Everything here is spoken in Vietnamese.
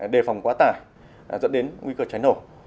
đề phòng quá tải dẫn đến nguy cơ cháy nổ